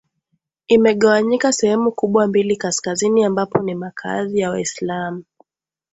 imegawanyika sehemu kubwa mbili kaskazini ambapo ni makaazi ya waislamu